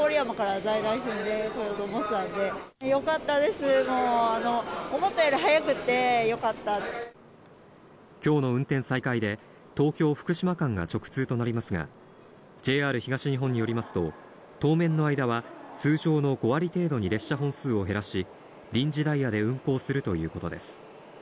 もう、きょうの運転再開で、東京・福島間が直通となりますが、ＪＲ東日本によりますと、当面の間は、通常の５割程度に列車本数を減らし、臨時ダイヤで運行するということです。